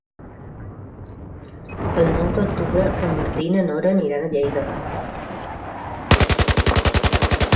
El nou d'octubre en Martí i na Nora aniran a Lleida.